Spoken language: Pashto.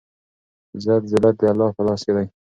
عزت ذلت دالله په لاس کې دی